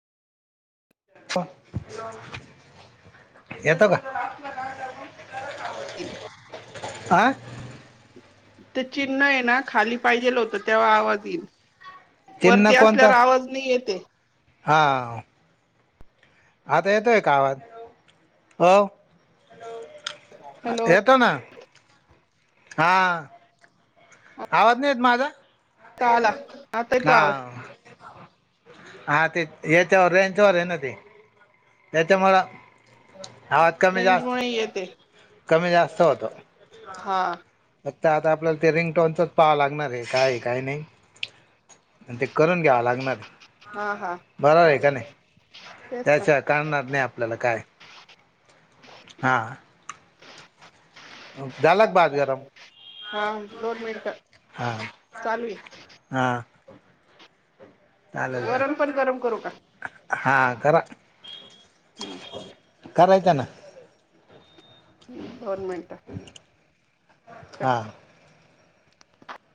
येतो का एक हा ते चिन्ह आहे ना खाली पाहिजेल होतं तेव्हा आवाज येईल चिन्ह वरती असल्यावर आवाज नाही येते हां आता येतोय का आवाज हॅलो हो हॅलो हॅलो येतो ना हा आवाज नाहीे येत माझा आता आला येतो आता येतो हा आवाज हा ते याच्यावर रेंचवर ये ना ते त्याच्यामुळं आवाज कमी जास्त रेंजमुळे येते कमी जास्त होतो हा फक्त आता आपल्याला ते रिंगटोनचच पाहावं लागणार आहे काय ये काय नाही आणि ते करून घ्यावं लागणार हा हा बरोबरे का चालेल नाही तेच ना त्याच्याशिवाय कळणार नाही आपल्याला काय ये हा झाला का भात गरम हां दोन मिनिटं हां चालूये हां वरण पण गरम करू का हा करा हं, करायचं ना दोन मिनिटं हा